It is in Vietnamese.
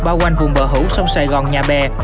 bao quanh vùng bờ hữu sông sài gòn nhà bè